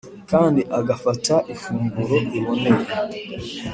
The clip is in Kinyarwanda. kandi agafata ifunguro riboneye